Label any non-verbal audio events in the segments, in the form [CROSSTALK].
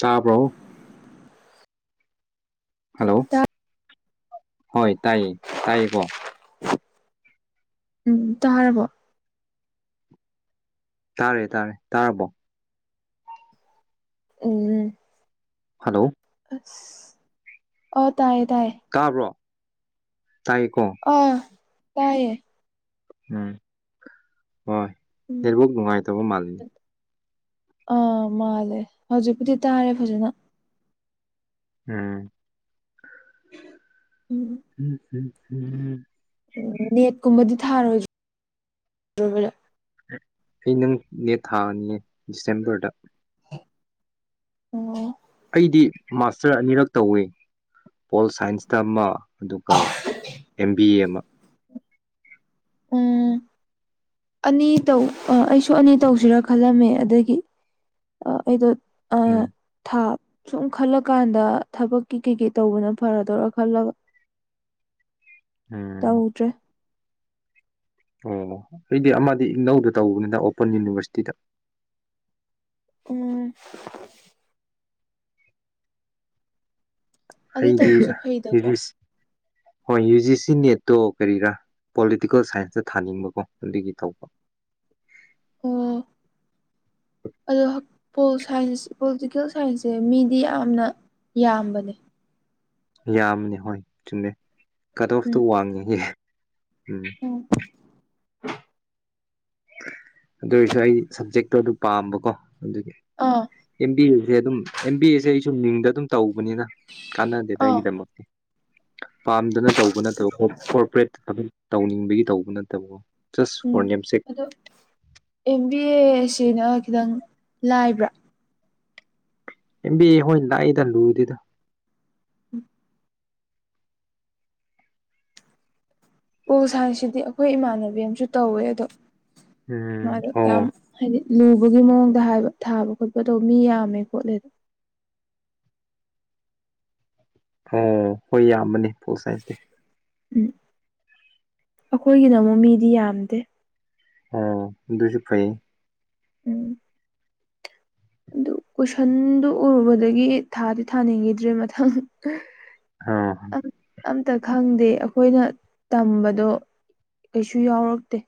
ꯇꯥꯕꯔꯣ ꯍꯜꯂꯣ ꯇꯥ ꯍꯣꯏ ꯇꯥꯏꯌꯦ ꯇꯥꯏꯌꯦ ꯀꯣ ꯎꯝ ꯇꯥꯔꯕꯣ ꯇꯥꯔꯦ ꯇꯥꯔꯦ ꯇꯥꯔꯕꯣ ꯎꯝ ꯍꯜꯂꯣ ꯑꯥ ꯇꯥꯏꯌꯦ ꯇꯥꯏꯌꯦ ꯇꯥꯕ꯭ꯔꯣ ꯇꯥꯏꯀꯣ ꯑꯥ ꯇꯥꯏꯌꯦ ꯎꯝ ꯍꯣꯏ ꯎꯝ ꯅꯦꯠꯋꯥꯛ ꯅꯨꯡꯉꯥꯏ ꯇꯥꯕ ꯃꯥꯜꯅꯤ ꯑꯥ ꯃꯥꯜꯂꯦ ꯍꯧꯖꯤꯛꯄꯨꯗꯤ ꯇꯥꯔꯦ ꯐꯖꯅ ꯎꯝ ꯎꯝ ꯎꯝ ꯎꯝ ꯎꯝ ꯅꯦꯠꯀꯨꯝꯕꯗꯤ ꯊꯥꯔꯣꯏꯗ꯭ꯔꯣ ꯑꯩ ꯅꯪ ꯅꯦꯠ ꯊꯥꯅꯤꯌꯦ ꯗꯤꯁꯦꯝꯕꯔꯗ ꯑꯣ ꯑꯩꯗꯤ ꯃꯥꯁꯇꯔ ꯑꯅꯤꯔꯛ ꯇꯧꯏ ꯄꯣꯜ ꯁꯥꯏꯟꯁꯇ ꯑꯃ ꯑꯗꯨꯒ ꯑꯦꯝ ꯕꯤ ꯑꯦ ꯑꯃ ꯎꯝ ꯑꯅꯤ ꯇꯧ ꯑ ꯑꯩꯁꯨ ꯑꯅꯤ ꯇꯧꯁꯤꯔꯥ ꯈꯜꯂꯝꯃꯦ ꯑꯗꯒꯤ ꯑꯩꯗꯣ ꯑ ꯎꯝ ꯊꯥꯞ ꯁꯨꯝ ꯈꯜꯂꯀꯥꯟꯗ ꯊꯕꯛꯀꯤ ꯀꯩ ꯀꯩ ꯇꯧꯕꯅ ꯐꯔꯗꯣꯏꯔꯥ ꯈꯜꯂꯒ ꯎꯝ ꯇꯎꯗ꯭ꯔꯦ ꯑꯣ ꯑꯩꯗꯤ ꯑꯃꯗꯤ ꯏꯛꯅꯧꯗ ꯇꯧꯕꯅꯤꯅ ꯑꯣꯄꯟ ꯌꯨꯅꯤꯚꯔꯁꯤꯇꯤꯗ ꯎꯝ ꯑꯅꯤ ꯇꯧꯕꯁꯨ ꯐꯩꯗꯀꯣ ꯑꯩꯗꯤ ꯍꯣꯏ ꯌꯨ ꯖꯤ ꯁꯤ ꯅꯦꯠꯇꯣ ꯀꯔꯤꯔꯥ ꯄꯣꯂꯤꯇꯤꯀꯦꯜ ꯁꯥꯏꯟꯁꯇ ꯊꯥꯅꯤꯡꯕꯀꯣ ꯑꯗꯨꯒꯤ ꯇꯧꯕ ꯑꯣ ꯑꯗꯣ ꯄꯣꯜ ꯁꯥꯏꯟꯁ ꯄꯣꯂꯤꯇꯤꯀꯦꯜ ꯁꯥꯏꯟꯁꯁꯦ ꯃꯤꯗꯤ ꯌꯥꯝꯅ ꯌꯥꯝꯕꯅꯦ ꯌꯥꯝꯅꯦ ꯍꯣꯏ ꯆꯨꯝꯃꯦ ꯀꯠ ꯑꯣꯐꯇꯣ ꯎꯝ ꯋꯥꯡꯕꯒꯤ ꯎꯝ [INAUDIBLE] ꯑꯗꯨ ꯑꯣꯏꯔꯁꯨ ꯑꯩ ꯁꯞꯖꯦꯛꯇꯣ ꯑꯗꯨ ꯄꯥꯝꯕꯀꯣ ꯑꯗꯨꯒꯤ ꯑꯥ ꯑꯦꯝ ꯕꯤ ꯑꯦꯁꯦ ꯑꯗꯨꯝ ꯑꯦꯝ ꯕꯤ ꯑꯦꯁꯦ ꯑꯩꯁꯨꯨꯝ ꯃꯤꯡꯗ ꯑꯗꯨꯝ ꯇꯧꯕ ꯅꯤꯅ ꯀꯥꯟꯅꯗꯦꯗ ꯑꯥ ꯑꯩꯒꯤ ꯗꯃꯛꯇꯗꯤ ꯄꯥꯝꯗꯅ ꯇꯧꯕ ꯅꯠꯇꯕ ꯀꯣꯔꯄꯔꯦꯠꯇ ꯑꯗꯨꯝ ꯇꯧꯅꯤꯡꯕꯒꯤ ꯇꯧꯕ ꯅꯠꯇꯕ ꯖꯁ ꯐꯣꯔ ꯎꯝ ꯅꯦꯝꯁꯦꯛ ꯑꯗꯣ ꯑꯦꯝ ꯕꯤ ꯑꯦ ꯑꯁꯤꯅ ꯈꯤꯇꯪ ꯂꯥꯏꯕ꯭ꯔꯥ ꯏꯝꯕꯤ ꯑꯦ ꯍꯣꯏ ꯂꯥꯏꯗ ꯂꯨꯗꯦꯗ ꯎꯝ ꯄꯣꯜ ꯁꯥꯏꯟꯁ ꯁꯤꯗꯤ ꯑꯩꯈꯣꯏ ꯏꯃꯥꯟꯅꯕꯤ ꯑꯃꯁꯨ ꯇꯧꯋꯦ ꯑꯗꯣ ꯎꯝ ꯃꯗꯣ ꯑꯣ ꯌꯥꯝ ꯍꯥꯏꯗꯤ ꯂꯨꯕꯒꯤ ꯃꯑꯣꯡꯗ ꯍꯥꯏꯕ ꯊꯥꯕ ꯈꯣꯠꯄ ꯇꯧꯕ ꯃꯤ ꯌꯥꯝꯃꯦ ꯈꯣꯠꯂꯦꯗ ꯑꯣ ꯍꯣꯏ ꯌꯥꯝꯕꯅꯤ ꯄꯣ ꯁꯥꯏꯟꯁꯇꯤ ꯎꯝ ꯑꯩꯈꯣꯏꯒꯤꯅ ꯑꯃꯨ ꯃꯤꯗꯤ ꯌꯥꯝꯗꯦ ꯑ ꯑꯗꯨꯁꯨꯄ ꯎꯝ ꯑꯗꯨ ꯀꯣꯏꯁꯟꯗꯨ ꯎꯔꯨꯕꯗꯒꯤ ꯊꯥꯗꯤ ꯊꯥꯅꯤꯡꯈꯤꯗ꯭ꯔꯦ ꯃꯊꯪ ꯑ ꯍ ꯑꯝꯇ ꯈꯪꯗꯦ ꯑꯩꯈꯣꯏꯅ ꯇꯝꯕꯗꯣ ꯀꯩꯁꯨ ꯌꯥꯎꯔꯛꯇꯦ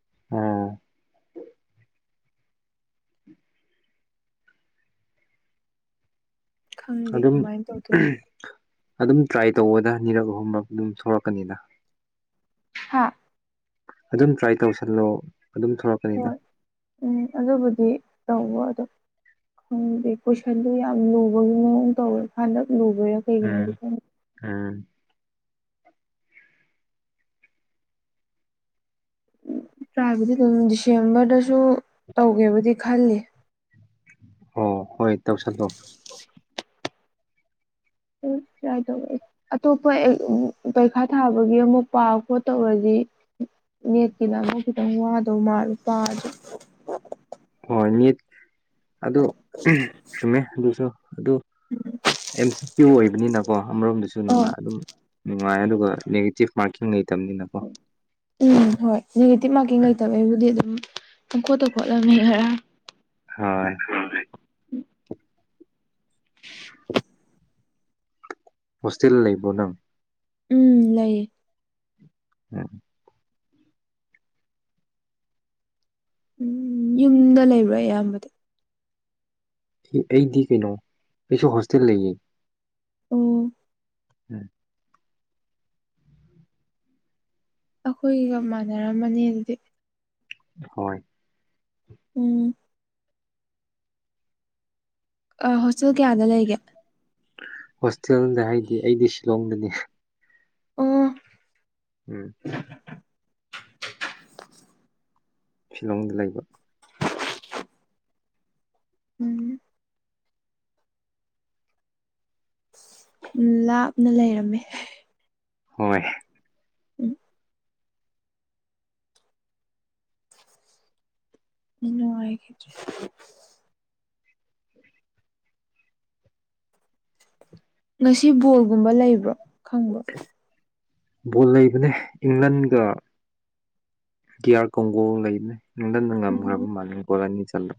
ꯑ ꯈꯪꯗꯦ ꯑꯗꯨ ꯑꯗꯨꯝ ꯀꯃꯥꯏꯅ ꯇꯧꯗꯣꯏꯅꯣ ꯑꯗꯨꯝ ꯇ꯭ꯔꯥꯏ ꯇꯧꯕꯗ ꯅꯤꯔꯛ ꯑꯍꯨꯝꯔꯛ ꯑꯗꯨꯝ ꯁꯂꯛꯀꯅꯤꯅ ꯍꯥꯥ ꯑꯗꯨꯝ ꯇ꯭ꯔꯥꯏ ꯇꯧꯁꯜꯂꯣ ꯑꯗꯨꯝ ꯊꯣꯛꯂꯛꯀꯅꯤꯗ ꯍꯣꯏ ꯎꯝ ꯑꯗꯨꯕꯨꯗꯤ ꯇꯧꯕ ꯑꯗꯣ ꯈꯪꯗꯦ ꯀꯣꯏꯁꯟꯗꯨꯣ ꯌꯥꯝ ꯂꯨꯕꯒꯤ ꯃꯑꯣꯡ ꯇꯧꯋꯦ ꯍꯟꯗ ꯂꯨꯕ ꯌꯥ ꯀꯩꯒꯤꯅꯗꯤ ꯎꯝ ꯀ ꯎꯝ ꯇ꯭ꯔꯥꯏꯕꯨꯗꯤ ꯑꯗꯨꯝ ꯗꯤꯁꯦꯝꯕꯔꯗꯁꯨ ꯇꯧꯒꯦꯕꯨꯗꯤ ꯈꯜꯂꯤ ꯑꯣ ꯍꯣꯏ ꯇꯧꯁꯟꯗꯧ ꯇꯥꯏ ꯇ ꯑꯇꯣꯞꯄ ꯄꯩꯈꯥ ꯊꯥꯕꯒꯤ ꯑꯃꯨꯛ ꯄꯥ ꯈꯣ ꯇꯧꯔꯁꯤ ꯅꯦꯠꯀꯤ ꯂꯅ ꯈꯤꯇꯪ ꯋꯥꯗꯣ ꯃꯥꯜꯂꯨ ꯄꯗ ꯍꯣꯏ ꯅꯤꯠ ꯑꯗꯨ ꯆꯨꯝꯃꯦ ꯑꯗꯨꯁꯨ ꯑꯗꯨ ꯑꯦꯝ ꯁꯤ ꯀꯌꯨ ꯑꯣꯏꯕꯅꯤꯅꯀꯣ ꯑꯃꯔꯣꯝꯗꯁꯨ ꯑꯣ ꯅꯨꯡꯉꯥꯏ ꯑꯗꯨꯝ ꯅꯨꯡꯉꯥꯏ ꯑꯗꯨꯒ ꯅꯦꯒꯦꯇꯤꯞ ꯃꯥꯔꯀꯤꯡ ꯂꯩꯇꯕꯅꯤꯅꯀꯣ ꯎꯝ ꯍꯣꯏ ꯅꯦꯒꯦꯇꯤꯚ ꯃꯥꯔꯀꯤꯡ ꯂꯩꯇꯕ ꯑꯩꯕꯨꯗꯤ ꯑꯗꯨꯝ ꯈꯣꯠꯇ ꯈꯣꯠꯂꯝꯅꯤ ꯈꯔ ꯍꯣꯏ ꯍꯣꯁꯇꯦꯜ ꯂꯩꯕꯣ ꯅꯪ ꯎꯝ ꯂꯩꯌꯦ ꯎꯝ ꯎꯝ ꯌꯨꯝꯗ ꯂꯩꯕ꯭ꯔꯥ ꯑꯌꯥꯝꯕꯗ ꯑꯩꯗꯤ ꯀꯩꯅꯣ ꯑꯩꯁꯨ ꯍꯣꯁꯇꯦꯜ ꯂꯩꯌꯦ ꯑꯣ ꯎꯝ ꯑꯩꯈꯣꯏꯒ ꯃꯥꯟꯅꯔꯝꯃꯅꯤ ꯑꯗꯨꯗꯤ ꯍꯣꯏ ꯎꯝ ꯍꯣꯁꯇꯦꯜ ꯀꯌꯥꯗ ꯂꯩꯒꯦ ꯍꯣꯁꯇꯦꯜꯗ ꯍꯥꯏꯗꯤ ꯑꯩꯗꯤ ꯁꯤꯂꯣꯡꯗꯅꯤ ꯑꯣ ꯎꯝ ꯐꯤꯂꯣꯡꯗ ꯂꯩꯕ ꯎꯝ ꯂꯥꯞꯅ ꯂꯩꯔꯝꯃꯦ ꯍꯣꯏ ꯎꯝ ꯅꯅꯨꯡꯉꯥꯏ ꯈꯦꯇ꯭ꯔꯦ ꯉꯁꯤ ꯕꯣꯜꯒꯨꯝꯕ ꯂꯩꯕ꯭ꯔꯣ ꯈꯪꯕ꯭ꯔ ꯕꯣꯜ ꯂꯩꯕꯅꯦ ꯏꯪꯂꯟꯒ ꯗꯤ ꯑꯥꯔ ꯀꯣꯡꯒꯣ ꯂꯩꯕꯅꯦ ꯅꯨꯡꯊꯟꯅ ꯎꯝ ꯉꯝꯈ꯭ꯔꯕ ꯃꯥꯅꯤꯡ ꯣꯂꯅꯤ ꯆꯜꯂ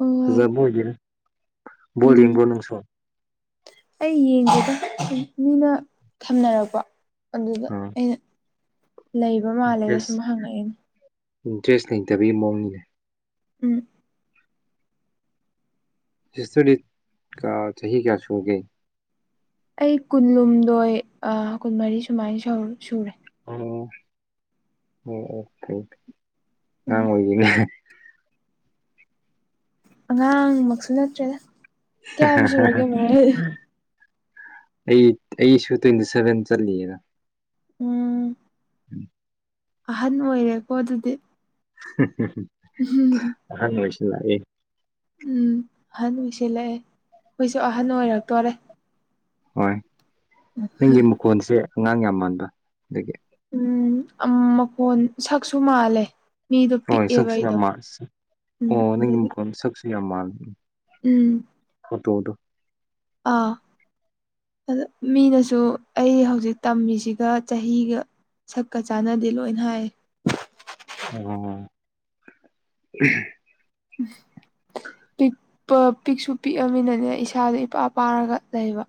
ꯑꯣ ꯐꯖꯕ ꯑꯣꯏꯒꯔ ꯣ ꯎꯝ ꯌꯦꯡꯕ꯭ꯔꯣ ꯅꯅꯨꯡꯁꯣ ꯑꯩ ꯌꯦꯡꯒꯦꯗ ꯃꯤꯅ ꯊꯝꯅꯔꯛꯄ ꯑꯗꯨꯒ ꯑꯥ ꯑꯩꯅ ꯂꯩꯕ ꯃꯥꯜꯂꯦꯗꯣ ꯁꯨꯝ ꯍꯪꯉꯛꯑꯦꯅꯦ ꯏꯟꯇꯔꯦꯁ ꯂꯩꯇꯕꯒꯤ ꯃꯑꯣꯡꯅꯤꯅꯦ ꯎꯝ ꯍꯁꯇꯣꯗꯤ ꯀ ꯆꯍꯤ ꯆꯍꯤꯍꯤ ꯀꯌꯥꯁꯨꯣꯡꯒꯦ ꯑꯩ ꯀꯨꯟꯂꯨꯝꯗꯣꯏ ꯀꯨꯟꯃꯔꯤ ꯁꯨꯃꯥꯏꯅ ꯁꯨꯔꯦ ꯑꯣ ꯑꯣ ꯉꯪ ꯎꯝ ꯑꯣꯏ ꯑꯣꯏꯒꯅꯦ ꯑꯉꯥꯡꯃꯛꯁꯨ ꯅꯠꯇ꯭ꯔꯦꯗ ꯀꯌꯥꯝ ꯁꯨꯔꯒꯦ ꯃꯦꯗꯤ ꯑꯩ ꯑꯩꯁꯨ ꯇ꯭ꯋꯦꯟꯇꯤ ꯁꯚꯦꯟ ꯆꯠꯂꯤꯑꯅ ꯎꯝ ꯎꯝ ꯑꯍꯟ ꯑꯣꯏꯔꯦꯀꯣ ꯑꯗꯨꯗꯤ ꯑꯥꯡ ꯑꯣꯏꯣꯏꯁꯤ ꯂꯥꯛꯑꯑꯦ ꯎꯝ ꯑꯍꯟ ꯑꯣꯏꯁꯤꯜꯂꯛꯑꯦ ꯑꯩꯣꯏꯁꯨ ꯑꯍꯟ ꯑꯣꯏꯔꯛꯇꯣꯔꯦ ꯍꯣꯏ ꯅꯪꯒꯤ ꯃꯨꯀꯣꯟꯁꯦ ꯑꯉꯥꯡ ꯌꯥꯝ ꯃꯥꯟꯕ ꯑꯗꯒꯤ ꯎꯝ ꯃꯈꯣꯟ ꯁꯛꯁꯨ ꯃꯥꯜꯂꯦ ꯃꯤꯗꯣ ꯍꯣꯏ ꯄꯤꯛꯑꯦꯕ ꯑꯩꯗꯣ ꯁꯁꯤꯌꯥꯃꯥꯟ ꯎꯝ ꯑꯣ ꯑꯗꯒꯤ ꯅꯪꯒꯤꯣꯟ ꯁꯛꯁꯤꯌꯥ ꯃꯥꯥꯟ ꯎꯝ ꯀꯠꯇꯗꯣ ꯑꯥ ꯑ ꯃꯤꯅꯁꯨ ꯑꯩ ꯍꯧꯖꯤꯛ ꯇꯝꯃꯤꯁꯤꯒ ꯆꯍꯤꯒ ꯁꯛꯀ ꯆꯥꯟꯅꯗꯦ ꯂꯣꯏꯅ ꯍꯥꯏ ꯑ ꯎꯝ ꯄꯤꯛꯄ ꯄꯤꯛꯁꯨ ꯄꯤꯛꯑꯃꯤꯅꯅꯦ ꯏꯁꯥꯗ ꯏꯄꯥ ꯄꯥꯔꯒ ꯂꯩꯕ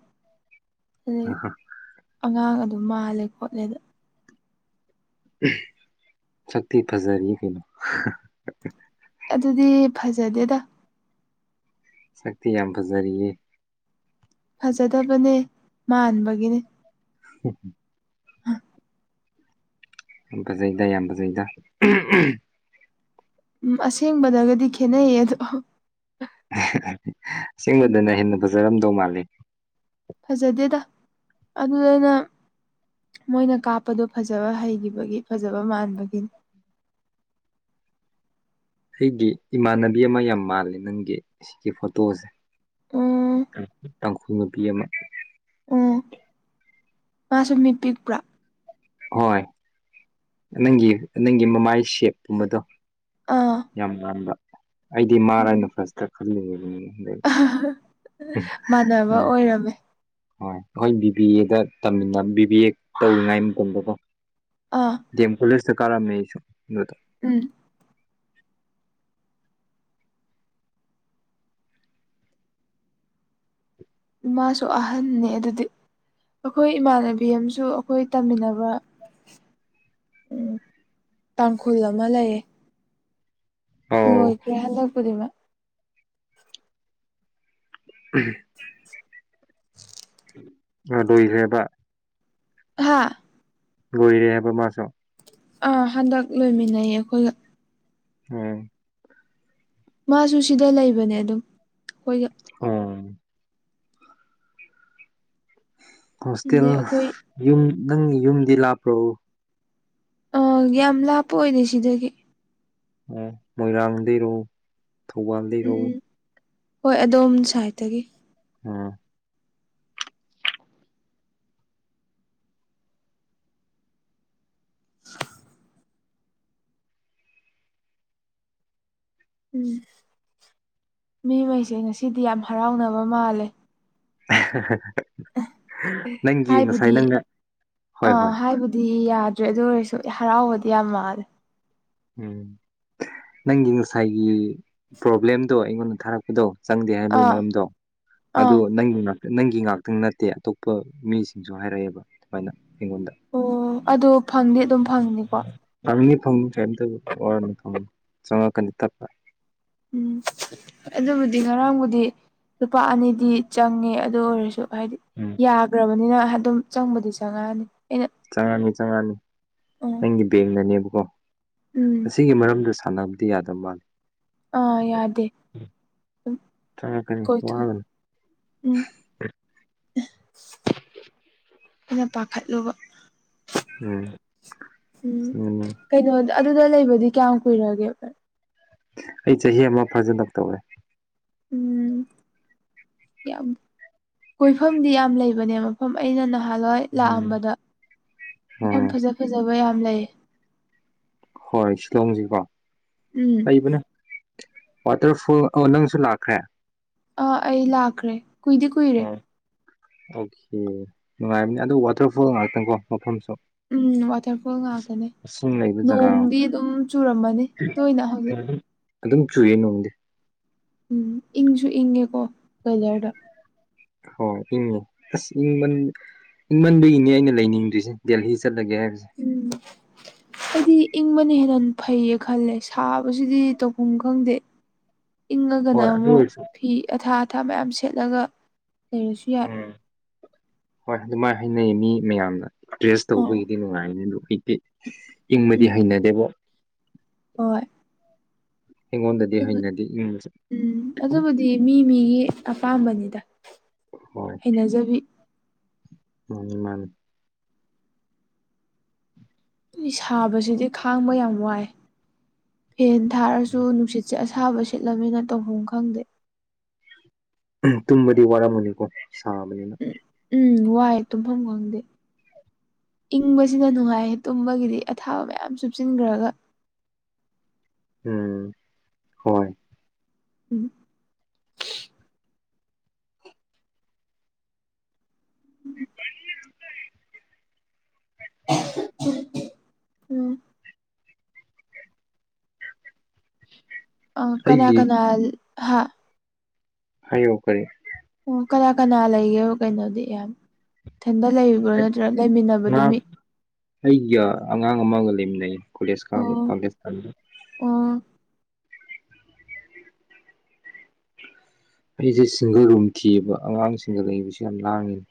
ꯑ ꯑꯗꯒꯤ ꯍꯣ ꯑꯉꯥꯡ ꯑꯗꯨ ꯃꯥꯜꯂꯦ ꯈꯣꯠꯂꯦꯗ ꯁꯛꯇꯇ ꯐꯖꯔ ꯀꯩꯅꯣ ꯑꯗꯨꯗꯤ ꯐꯖꯗꯦ ꯁꯛꯇꯇꯤ ꯌꯥꯝꯄ ꯔꯤꯌꯦ ꯐꯖꯗꯕꯅꯦ ꯃꯥꯟꯕꯒꯤꯅꯦ ꯎ ꯍꯥ ꯑꯝꯕꯁꯩꯗ ꯌꯥꯝꯝꯕꯖꯩꯗ ꯎꯝ ꯑꯁꯦꯡꯕꯗꯒꯗꯤ ꯈꯦꯠꯅꯩꯌꯦ ꯑꯗꯣ ꯑꯁꯤꯒꯕꯗꯅ ꯍꯦꯟꯅ ꯐꯖꯔꯝꯗꯧ ꯃꯥꯜꯂꯤ ꯐꯖꯗꯦꯗ ꯑꯗꯨꯗꯨꯅ ꯃꯣꯏꯅ ꯀꯥꯞꯄꯗꯨ ꯐꯖꯕ ꯍꯩꯈꯤꯕꯒꯤ ꯐꯖꯕ ꯃꯥꯟꯕꯒꯤꯅꯤ ꯑꯩꯒꯤ ꯏꯃꯥꯟꯅꯕꯤ ꯑꯃ ꯌꯥꯝ ꯃꯥꯜꯂꯤ ꯅꯪꯒꯤ ꯁꯤꯒꯤ ꯐꯣꯇꯣꯁꯦ ꯎꯝ ꯇꯥꯡꯈꯨꯜ ꯅꯨꯄꯤ ꯑꯃ ꯑꯣ ꯃꯥꯁꯨ ꯃꯤ ꯄꯤꯛꯄ꯭ꯔꯥ ꯍꯣꯏ ꯅꯪꯒꯤ ꯅꯪꯒꯤ ꯃꯃꯥꯏ ꯁꯦꯞꯀꯨꯝꯕꯗꯣ ꯑꯥ ꯌꯥꯝ ꯃꯥꯟꯕ ꯑꯩꯗꯤ ꯃꯥꯔ ꯍꯥꯏꯅ ꯎꯝ ꯐꯁꯇ ꯈꯜꯂꯤꯉꯕ ꯃꯥꯟꯅꯕ ꯑꯣꯏꯔꯝꯃꯦ ꯍꯣꯏ ꯑꯩꯈꯣꯏ ꯕꯤ ꯕꯤ ꯑꯦꯗ ꯇꯝꯃꯤꯟꯅ ꯕꯤ ꯚꯕꯤ ꯑꯦ ꯇꯧꯔꯤꯉꯥꯏ ꯃꯇꯝꯗꯀ ꯑꯥ ꯦꯝ ꯈꯣꯂꯁ ꯀꯔꯝ ꯃꯁꯨ ꯎꯝ ꯏꯃꯥꯁꯨ ꯑꯍꯟꯅꯦ ꯑꯗꯨꯗꯤ ꯑꯩꯈꯣꯏ ꯏꯃꯥꯟꯅꯕꯤ ꯑꯃꯁꯨ ꯑꯩꯈꯣꯏ ꯇꯝꯃꯤꯟꯅꯕ ꯎꯝ ꯇꯥꯡꯈꯨꯜ ꯑꯃ ꯂꯩꯌꯦ ꯑꯧ ꯂꯣꯏꯈ꯭ꯔꯦ ꯍꯟꯗꯛꯄꯨꯗꯤꯡꯃꯛ [UNINTELLIGIBLE] ꯑꯗꯏꯁꯦꯕ ꯍꯥꯥ ꯣꯏꯔꯦ ꯍꯥꯏꯦꯕ ꯃꯥꯁ ꯑꯥ ꯍꯟꯗꯛ ꯂꯣꯏꯃꯤꯟꯅꯩꯌꯦ ꯑꯩꯈꯣꯏꯒ ꯎꯝ ꯃꯥꯁꯨ ꯁꯤꯗ ꯂꯩꯕꯅꯦ ꯑꯗꯨꯝ ꯑꯩꯈꯣꯏꯒ ꯑꯣꯝ ꯍꯣꯁꯇꯦꯜ ꯑꯗꯩ ꯑꯩꯈꯣꯏ ꯌꯨꯝ ꯅꯪ ꯌꯨꯝꯗꯤ ꯂꯥꯞꯄ꯭ꯔꯎ ꯑ ꯌꯥꯝ ꯂꯥꯞꯄ ꯑꯣꯏꯔꯦ ꯁꯤꯗꯒꯤ ꯃꯣꯏꯔꯥꯡꯗꯒꯤꯔꯎ ꯊꯧꯕꯥꯜꯗꯔꯛꯎ ꯎꯝ ꯍꯣꯏ ꯑꯗꯣꯝ ꯁꯥꯏꯠꯇꯒꯤ ꯎꯝ ꯎꯝ ꯃꯤꯉꯩꯁꯦ ꯉꯁꯤꯗꯤ ꯌꯥꯝ ꯍꯔꯥꯎꯅꯕ ꯃꯥꯜꯂꯦ ꯅꯪꯒꯤ ꯉꯁꯥꯏ ꯍꯥꯏꯕꯨꯗꯤ ꯅꯪꯅ ꯍꯣꯏ ꯑꯥ ꯍꯣꯏ ꯍꯥꯏꯕꯗꯤ ꯌꯥꯗ꯭ꯔꯦ ꯑꯗꯨ ꯑꯣꯏꯔꯁꯨ ꯍꯔꯥꯎꯕꯗꯤ ꯌꯥꯝ ꯃꯥꯜꯂꯦ ꯎꯝ ꯅꯪꯒꯤ ꯉꯁꯥꯏꯒꯤ ꯄ꯭ꯔꯣꯕ꯭ꯂꯦꯝꯗꯣ ꯑꯩꯉꯣꯟꯗ ꯊꯥꯔꯛꯄꯗꯣ ꯆꯪꯗꯦ ꯍꯥꯏꯕꯒꯤ ꯑꯥ ꯃꯔꯝꯗꯣ ꯑꯥ ꯑꯗꯨ ꯅꯪꯗꯨꯅ ꯅꯪꯒꯤ ꯉꯥꯛꯇꯪ ꯅꯠꯇꯦ ꯑꯇꯣꯞꯄ ꯃꯤꯁꯤꯡꯁꯨ ꯍꯥꯏꯔꯛꯑꯦꯕ ꯑꯗꯨꯃꯥꯏꯅ ꯑꯩꯉꯣꯟꯗ ꯑꯣ ꯑꯗꯨ ꯐꯪꯅꯤ ꯑꯗꯨꯝ ꯐꯪꯅꯤꯀꯣ ꯐꯝ ꯀꯩꯝꯇ ꯋꯥꯔ ꯆꯪꯉꯛꯀꯅꯤ ꯇꯠꯄ ꯎꯝ ꯑꯗꯨꯕꯨꯗꯤ ꯉꯔꯥꯡꯕꯨꯗꯤ ꯂꯨꯄꯥ ꯑꯅꯤꯗꯤ ꯆꯪꯉꯦ ꯑꯗꯨ ꯑꯣꯏꯔꯁꯨ ꯍꯥꯏꯗꯤ ꯎꯝ ꯌꯥꯈ꯭ꯔꯕꯅꯤꯅ ꯑꯗꯨꯝ ꯆꯪꯕꯗꯤ ꯆꯪꯉꯛꯑꯅꯤ ꯑꯩꯅ ꯆꯪꯉꯛꯅꯤ ꯆꯪꯉꯛꯅꯤ ꯎꯝ ꯅꯪꯒꯤ ꯕꯦꯡꯅꯅꯦꯕꯀꯣ ꯎꯝ ꯑꯁꯤꯒꯤ ꯃꯔꯝꯗꯁꯨ ꯁꯥꯟꯅꯕꯗꯤ ꯌꯥꯗꯕ ꯃꯥꯜꯂꯤ ꯑꯥ ꯌꯥꯗꯦ ꯆꯪꯉꯛꯀꯅꯤ ꯀꯣꯏꯊ ꯋꯥꯒꯅꯨ ꯎꯝ ꯑꯩꯅ ꯄꯥꯈꯠꯂꯨꯕ ꯎꯝ ꯎꯝ ꯀꯩꯅꯣ ꯎ ꯑꯗꯨꯗ ꯂꯩꯕꯗꯤ ꯀꯌꯥꯝ ꯀꯨꯏꯔꯒꯦꯚ ꯑꯩ ꯆꯍꯤ ꯑꯃ ꯐꯖꯅ ꯇꯧꯋꯦ ꯎꯝ ꯌꯥꯝ ꯀꯣꯏꯐꯝꯗꯤ ꯌꯥꯝ ꯂꯩꯕꯅꯦ ꯃꯐꯝ ꯑꯩꯅ ꯅ ꯅꯍꯥꯟꯋꯥꯏ ꯎꯝ ꯂꯥꯛꯑꯝꯕꯗ ꯃꯐꯝ ꯎꯝ ꯐꯖ ꯐꯖꯕ ꯌꯥꯝ ꯂꯩ ꯍꯣꯏ ꯏꯂꯝꯁꯤꯀꯣ ꯎꯝ ꯂꯩꯕꯅꯦ ꯋꯥꯇꯔꯐꯣꯜ ꯅꯪꯁꯨ ꯂꯥꯛꯈ꯭ꯔꯦ ꯑꯥ ꯑꯩ ꯂꯥꯛꯈ꯭ꯔꯦ ꯀꯨꯏꯗꯤ ꯀꯨꯏꯔꯦ ꯑꯣ ꯑꯣꯀꯦ ꯅꯨꯡꯉꯥꯏꯕꯅꯦ ꯑꯗꯨ ꯋꯥꯇꯔꯐꯣꯜ ꯉꯥꯛꯇꯪꯀꯣ ꯃꯐꯝꯁꯨ ꯎꯝ ꯋꯥꯇꯔ ꯐꯣꯜ ꯉꯥꯛꯇꯅꯦ ꯏꯁꯤꯡ ꯂꯩꯕ ꯖꯒꯥ ꯅꯣꯡꯗꯤ ꯑꯗꯨꯝ ꯆꯨꯔꯝꯃꯅꯤ ꯇꯣꯏꯅ ꯍꯧꯖꯤꯛ ꯑꯗꯨꯝ ꯑꯗꯨꯝ ꯆꯨꯌꯦ ꯅꯣꯡꯗꯤ ꯎꯝ ꯏꯪꯁꯨ ꯏꯪꯉꯦꯀꯣ ꯀꯂꯔꯗ ꯍꯣꯏ ꯏꯪꯉꯦ ꯑꯁꯪ ꯏꯪꯃꯟꯗ ꯏꯅꯦ ꯑꯩꯅ ꯂꯩꯅꯤꯡꯗꯣꯏꯁꯦ ꯗꯦꯍꯤ ꯆꯠ ꯎꯝ ꯑꯩꯗꯤ ꯏꯪꯕꯅ ꯍꯦꯟꯅ ꯐꯩꯌꯦ ꯈꯜꯂꯦ ꯁꯥꯕꯁꯤꯗꯤ ꯇꯧꯐꯝ ꯈꯪꯗꯦ ꯏꯪꯉꯒꯅ ꯍꯣꯏ ꯑꯗꯨ ꯑꯃꯨꯛ ꯑꯣꯏꯔꯁꯨ ꯐꯤ ꯑꯊꯥ ꯑꯊꯥ ꯃꯌꯥꯝ ꯁꯦꯠꯂꯒ ꯂꯩꯔꯁꯨ ꯌꯥꯏ ꯎꯝ ꯍꯣꯏ ꯑꯗꯨꯃꯥꯏꯅ ꯍꯥꯏꯅꯩ ꯃꯤ ꯃꯌꯥꯝꯅ ꯗ꯭ꯔꯦꯁ ꯑꯣ ꯇꯧꯕꯒꯤꯗꯤ ꯅꯨꯡꯉꯥꯏꯅꯤ ꯑꯗꯨ ꯑꯣꯏꯇꯦ ꯏꯪꯕꯗꯤ ꯎꯝ ꯍꯩꯅꯗꯦꯕ ꯍꯣꯏ ꯑꯩꯉꯣꯟꯗꯗꯤ ꯍꯩꯅꯗꯦ ꯏꯪꯕꯁꯦ ꯎꯝ ꯑꯗꯨꯕꯨꯗꯤ ꯃꯤ ꯃꯤꯒꯤ ꯑꯄꯥꯝꯕꯅꯤꯗ ꯍꯩꯅꯖꯕꯤ ꯎꯅꯤ ꯑꯩ ꯁꯥꯕꯁꯤꯗꯤ ꯈꯥꯡꯕ ꯌꯥꯝ ꯋꯥꯏ ꯐꯦꯟ ꯊꯥꯔꯁꯨ ꯅꯨꯡꯁꯤꯠꯁꯦ ꯑꯁ ꯁꯥꯥꯕ ꯁꯤꯠꯂꯝꯅꯤꯅ ꯇꯧꯐꯝ ꯈꯪꯗꯦ ꯇꯨꯝꯃꯗꯤ ꯋꯥꯔ ꯃꯅꯤꯀꯣ ꯁꯥꯕꯅꯤꯅ ꯅꯨꯡ ꯋꯥꯏ ꯇꯨꯐꯝ ꯋꯥꯡꯗꯦ ꯏꯪꯕꯁꯤꯅ ꯅꯨꯡꯉꯥꯏ ꯇꯨꯝꯕꯒꯤꯗꯤ ꯑꯊꯥꯕ ꯃꯌꯥꯝ ꯆꯨꯞꯆꯤꯟꯈ꯭ꯔꯒ [INAUDIBLE] ꯎꯝ ꯍꯣꯏ ꯎꯝ ꯆ ꯎꯝ ꯑ ꯀꯅꯥ ꯑꯩꯒꯤ ꯀꯅꯥꯜ ꯍꯥꯥ ꯍꯥꯏꯌ‌‌ꯑꯣ ꯀꯔꯤ ꯑꯣ ꯀꯅꯥ ꯀꯅꯥ ꯂꯩꯒꯦ ꯀꯩꯅꯣꯗꯤ ꯌꯥꯝ ꯏꯊꯟꯗ ꯂꯩꯔꯤꯕꯕ꯭ꯔꯣ ꯅꯠꯇ꯭ꯔꯒ ꯉꯥ ꯂꯩꯃꯤꯟꯅꯕꯗꯨ ꯃꯤꯠ ꯑꯩꯒ ꯑꯉꯥꯡ ꯑꯃꯒ ꯂꯩꯃꯤꯅꯩ ꯀꯔꯤꯦꯁꯀꯥꯒ ꯄꯥꯀꯤꯁꯇꯥꯟꯒ ꯑꯣ ꯑꯩꯁꯦ ꯁꯤꯡꯒꯔꯨꯝ ꯊꯤꯑꯕ ꯑꯉꯥꯡꯁꯤꯡꯒ ꯂꯩꯕꯕꯁꯤꯦ ꯌꯥꯝ ꯂꯥꯡꯉꯤꯅꯦ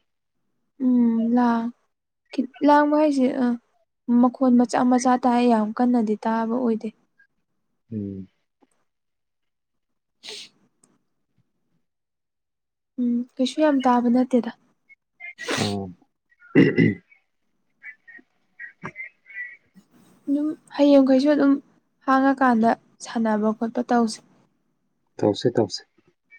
ꯎꯝ ꯂꯥꯡ ꯂꯥꯡꯕ ꯍꯥꯏꯁꯦ ꯑ ꯃꯈꯣꯟꯜ ꯃꯆꯥ ꯃꯆꯥ ꯇꯥꯏ ꯌꯥꯝ ꯀꯟꯅꯗꯤ ꯇꯥꯕ ꯑꯣꯏꯗꯦ ꯎꯝ [INAUDIBLE] ꯎꯝ ꯀꯩꯁꯨ ꯌꯥꯝ ꯇꯥꯕ ꯅꯠꯇꯦꯗ ꯑ ꯑꯗꯨꯝ ꯍꯌꯦꯡꯈꯩꯁꯨ ꯑꯗꯨꯝ ꯍꯥꯡꯉꯀꯥꯟꯗ ꯁꯥꯟꯅꯕ ꯈꯣꯠꯄ ꯇꯧꯁꯦ ꯇꯧꯁꯦ ꯇꯧꯁꯦ